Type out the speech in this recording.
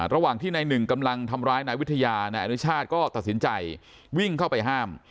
ระหว่างที่นายหนึ่งกำลังทำร้ายนายวิทยานายอนุชาติก็ตัดสินใจวิ่งเข้าไปห้าม